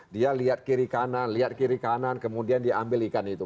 dia lihat kiri kanan lihat kiri kanan kemudian diambil ikan itu